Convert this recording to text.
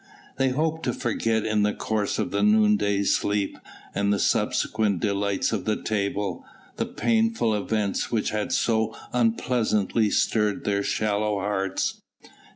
They hoped to forget in the course of the noonday sleep, and the subsequent delights of the table, the painful events which had so unpleasantly stirred their shallow hearts.